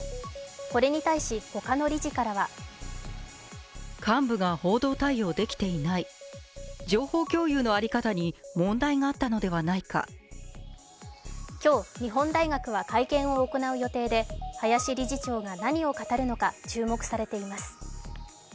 これに対し、他の理事からは今日、日本大学は会見を行う予定で林理事長が何を語るのか注目されています。